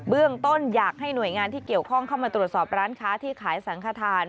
เรื่องต้นอยากให้หน่วยงานที่เกี่ยวข้องเข้ามาตรวจสอบร้านค้าที่ขายสังขทาน